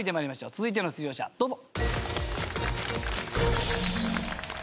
続いての出場者どうぞ。